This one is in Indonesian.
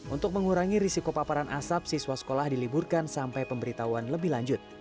untuk mengurangi risiko paparan asap siswa sekolah diliburkan sampai pemberitahuan lebih lanjut